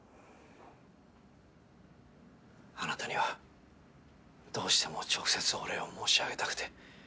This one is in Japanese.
あなたにはどうしても直接お礼を申し上げたくて。